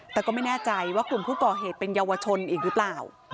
แต่ก็ไม่แน่ใจว่ากลุ่มผู้ก่อเหตุเป็นเยาวชนอีกหรือเปล่า